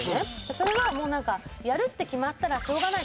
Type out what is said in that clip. それはもう何かやるって決まったらしょうがない